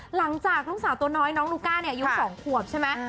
หลังจากลูกสาวตัวน้อยน้องลูก้าเนี่ยอายุ๒ขวบใช่ไหม